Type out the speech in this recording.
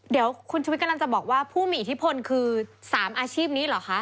เดี๋ยวคุณชุวิตกำลังจะบอกว่าผู้มีอิทธิพลคือ๓อาชีพนี้เหรอคะ